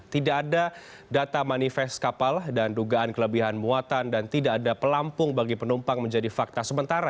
tidak ada data manifest kapal dan dugaan kelebihan muatan dan tidak ada pelampung bagi penumpang menjadi fakta sementara